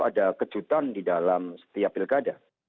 ada kejutan di dalam setiap pilkada